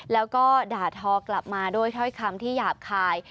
แล้วก็ด่าทอกลับมาด้วยถ้อยคำที่หยาบคาย